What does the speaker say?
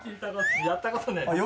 やったことない。